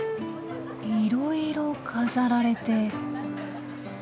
いろいろ飾られて。